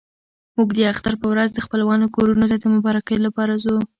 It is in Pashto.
موږ د اختر په ورځ د خپلوانو کورونو ته د مبارکۍ لپاره ځو.